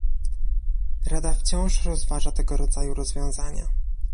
Rada wciąż rozważa tego rodzaju rozwiązania